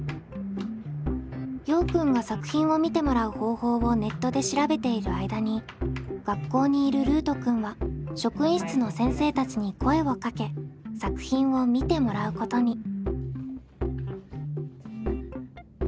ようくんが作品を見てもらう方法をネットで調べている間に学校にいるルートくんは職員室の先生たちに声をかけ作品を見てもらうことに。